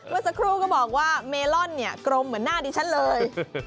เมื่อสักครู่ก็บอกว่าเมลอนเนี่ยกรมเหมือนหน้าดิฉันเลย